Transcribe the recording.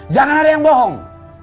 jangan ada yang bohong